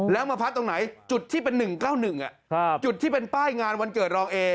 แล้วมาพักตรงไหนจุดที่เป็น๑๙๑จุดที่เป็นป้ายงานวันเกิดรองเอ